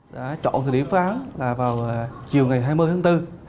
đã chọn thời điểm phá là vào chiều ngày hai mươi tháng bốn